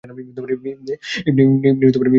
তাকে Musaylima ibn Habib Hanafi নামে ডাকা হয়।